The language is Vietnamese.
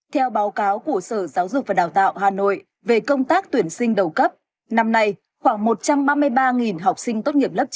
theo báo cáo của sở giáo dục và đào tạo hà nội về công tác tuyển sinh đầu cấp năm nay khoảng một trăm ba mươi ba học sinh tốt nghiệp lớp chín